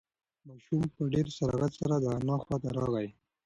ماشوم په ډېر سرعت سره د انا خواته راغی.